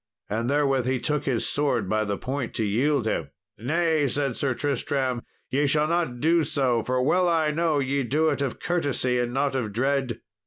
And therewith he took his sword by the point to yield him. "Nay," said Sir Tristram, "ye shall not do so, for well I know ye do it of courtesy, and not of dread."